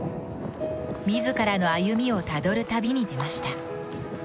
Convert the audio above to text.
自らの歩みをたどる旅に出ました。